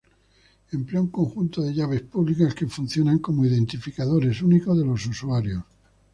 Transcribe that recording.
Emplea un conjunto de llaves públicas que funcionan como identificadores únicos de los usuarios.